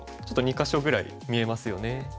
ちょっと２か所ぐらい見えますよね。